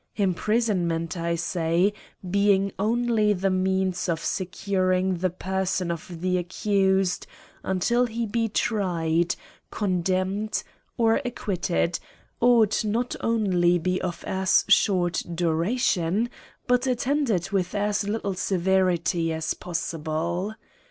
Imprisonment, I say, being only the means of securing the person of the accused until he be tried, condemned, or acquitted, ought not only to be of as short duration, but attended with as little severity as possible.